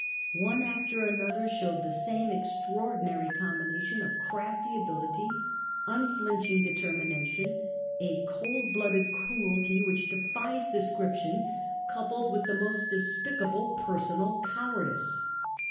One after another showed the same extraordinary combination of crafty ability, un flinching determination, a cold blooded cruelty which defies description, coupled with the most despicable personal cowardice.